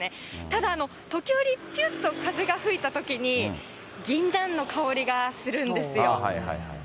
ただ、時折、ぴゅっと風が吹いたときに、ぎんなんの香りがするんですよ。